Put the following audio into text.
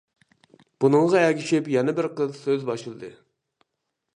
بۇنىڭغا ئەگىشىپ يەنە بىر قىز سۆز باشلىدى.